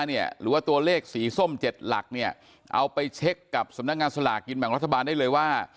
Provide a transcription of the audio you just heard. หรือว่าตัวเลขสีส้ม๗หลักเนี่ยเอาไปเช็คกับสำนักงานสลากกินแบ่งรัฐบาลได้เลยว่า